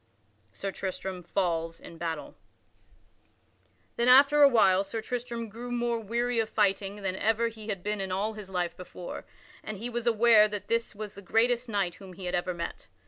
[Sidenote: Sir Tristram falls in the battle] Then after a while Sir Tristram grew more weary of fighting than ever he had been in all of his life before, and he was aware that this was the greatest knight whom he had ever met.